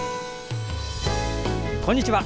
こんにちは。